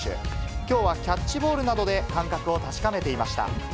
きょうはキャッチボールなどで感覚を確かめていました。